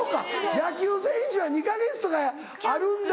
野球選手は２か月とかあるんだ。